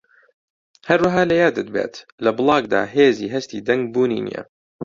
هەروەها لەیادت بێت لە بڵاگدا هێزی هەستی دەنگ بوونی نییە